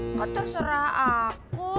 nggak terserah aku